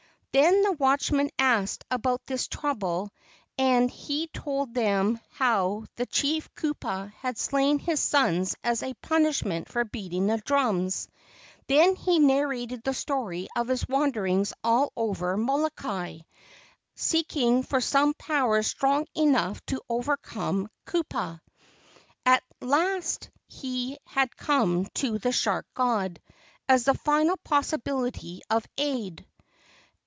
Then the watchmen asked about his trouble and he told them how the chief Kupa had slain his sons as a punishment for beating the drums. Then he narrated the story of his wanderings all over Molokai, seeking for some power strong enough to overcome Kupa. At last he had come to the shark god—as the final possibility of aid.